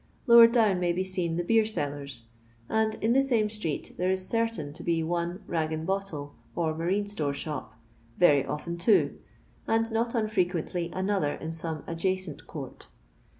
Lower down maj be seen the bserseller*s; and in the same street there is certain te be one nig and bottle or marine store shop, rery often two, and not unfirequently another in some adjacent court.